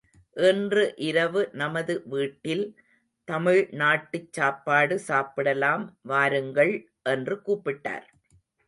இன்று இரவு நமது வீட்டில் தமிழ் நாட்டுச் சாப்பாடு சாப்பிடலாம் வாருங்கள் என்று கூப்பிட்டார்.